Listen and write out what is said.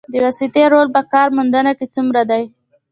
د واسطې رول په کار موندنه کې څومره دی؟